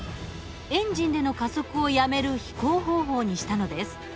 エンジンでの加速をやめる飛行方法にしたのです。